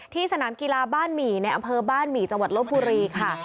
สนามกีฬาบ้านหมี่ในอำเภอบ้านหมี่จังหวัดลบบุรีค่ะ